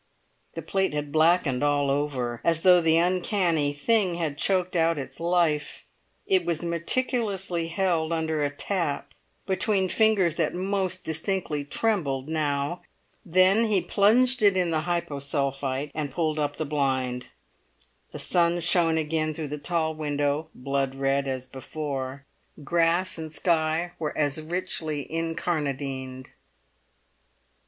The plate had blackened all over, as though the uncanny thing had choked out its life. It was meticulously held under a tap, between fingers that most distinctly trembled now. Then he plunged it in the hyposulphite, and pulled up the blind. The sun shone again through the tall window, blood red as before; grass and sky were as richly incarnadined.